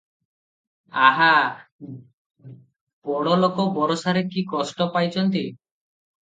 ଆହା, ବଡ଼ଲୋକ ବରଷାରେ କି କଷ୍ଟ ପାଇଚନ୍ତି ।